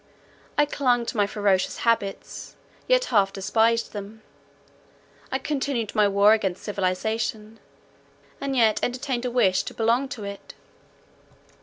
I clung to my ferocious habits, yet half despised them; I continued my war against civilization, and yet entertained a wish to belong to it.